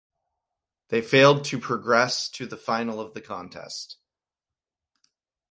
They failed to progress to the final of the contest.